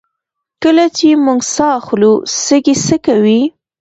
کله چې موږ ساه اخلو سږي څه کوي